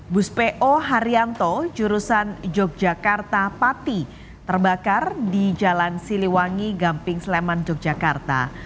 bus po haryanto jurusan yogyakarta pati terbakar di jalan siliwangi gamping sleman yogyakarta